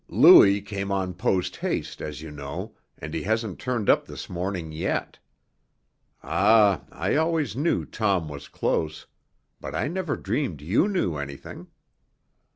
"Louis came on posthaste, as you know, and he hasn't turned up this morning yet. Ah, I always knew Tom was close, but I never dreamed you knew anything.